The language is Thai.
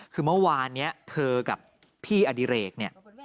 คือเมื่อวานนี้เธอกับพี่อดิเรกเนี่ย